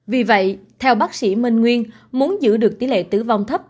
vì vậy theo bác sĩ minh nguyên muốn giữ được tỷ lệ tử vong thấp